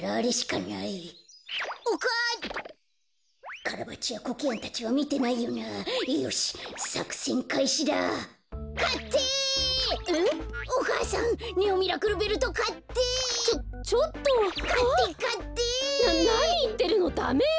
ななにいってるのダメよ！